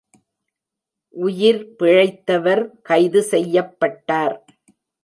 உயிர் பிழைத்தவர் கைது செய்யப்பட்டார்.